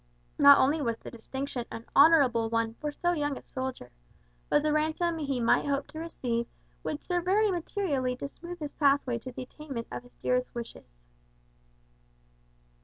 Not only was the distinction an honourable one for so young a soldier; but the ransom he might hope to receive would serve very materially to smooth his pathway to the attainment of his dearest wishes.